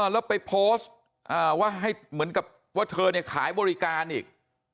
แล้วไปโพสต์ว่าให้เหมือนกับว่าเธอเนี่ยขายบริการอีก